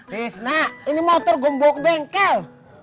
tis nak ini motor gue bawa ke bengkel